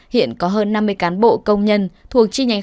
hiện có hơn năm mươi cán bộ công nhân thuộc chi nhánh